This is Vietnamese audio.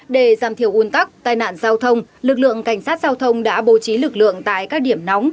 để giảm thiểu un tắc tai nạn giao thông lực lượng cảnh sát giao thông đã bố trí lực lượng tại các điểm nóng